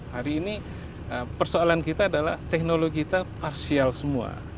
hari ini persoalan kita adalah teknologi kita parsial semua